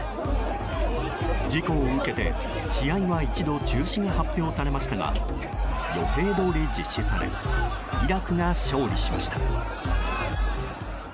事故を受けて、試合は一度中止が発表されましたが予定どおり実施されイラクが勝利しました。